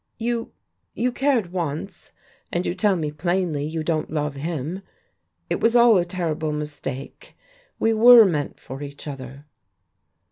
You you cared once, and you tell me plainly you don't love him. It was all a terrible mistake. We were meant for each other."